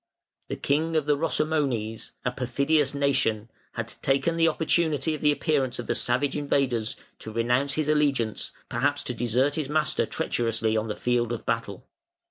The king of the Rosomones, "a perfidious nation", had taken the opportunity of the appearance of the savage invaders to renounce his allegiance, perhaps to desert his master treacherously on the field of battle.